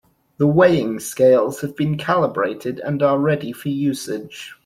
The weighing scales have been calibrated and are ready for usage.